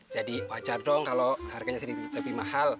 jadi wajar dong kalau harganya sedikit lebih mahal